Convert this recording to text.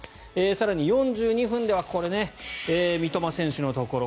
更に４２分ではこれ、三笘選手のところ。